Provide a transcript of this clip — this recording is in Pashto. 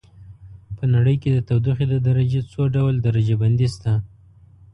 په نړۍ کې د تودوخې د درجې څو ډول درجه بندي شته.